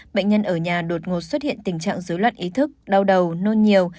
bệnh nhân ở nhà đột ngột xuất hiện tình trạng dối loạn ý thức đau đầu nôn nhiều